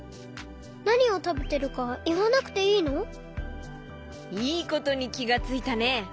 なにをたべてるかいわなくていいの？いいことにきがついたね！